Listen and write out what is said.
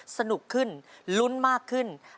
สนุกขึ้นลุ้นมากขึ้น